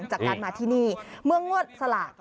จากการมาที่นี่เมื่องวดสลาก